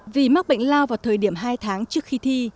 vì mắc bệnh lao vào thời điểm hai tháng trước khi thi